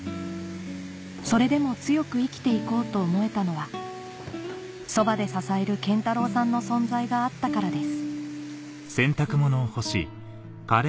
それでも強く生きていこうと思えたのはそばで支える謙太郎さんの存在があったからです